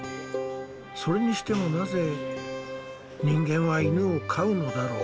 それにしてもなぜ人間は犬を飼うのだろう。